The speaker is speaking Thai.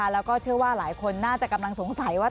แล้วก็เชื่อว่าหลายคนน่าจะกำลังสงสัยว่า